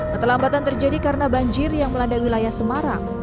keterlambatan terjadi karena banjir yang melanda wilayah semarang